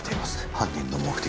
犯人の目的は。